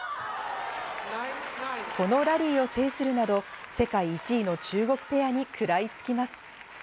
このラリーを制するなど、世界１位の中国ペアに食らいつきます。